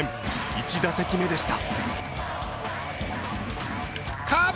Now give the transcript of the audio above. １打席目でした。